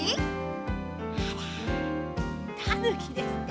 たぬきですって。